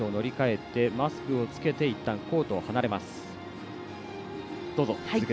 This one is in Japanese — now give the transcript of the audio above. マスクをつけていったんコートを離れます。